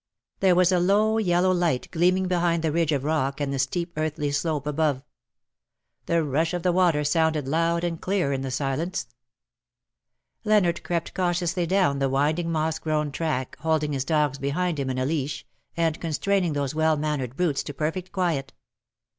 There was a low yellow light gleaming behind the ridge of rock and the steep earthy slope 227 above. The rush of the water sounded loud and clear in the silence. Leonard crept cautiously down the winding moss grown tracks holding his dogs behind him in a leash, and constraining those well mannered brutes to perfect quiet.